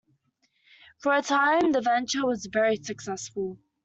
For a time the venture was very successful.